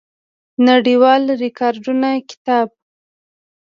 نړیوالو ریکارډونو کتاب